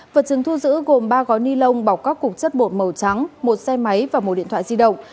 vật chứng thu giữ gồm ba gói ni lông bọc các cục chất bột màu trắng một xe máy và một điện thoại di động